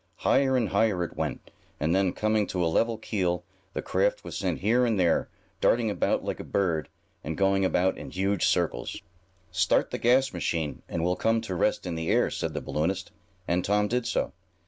Higher and higher it went, and then, coming to a level keel, the craft was sent here and there, darting about like a bird, and going about in huge circles. "Start the gas machine, and we'll come to rest in the air," said the balloonist, and Tom did so.